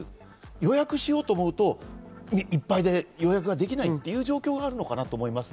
予約しようと思うといっぱいで予約できないという状況があるのかなと思います。